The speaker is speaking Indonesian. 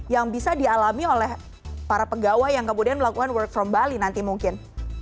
yang bisa dialami oleh para pegawai yang kemudian melakukan work from bali nanti mungkin